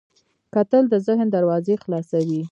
کتل د ذهن دروازې خلاصوي